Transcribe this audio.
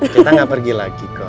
kita nggak pergi lagi kok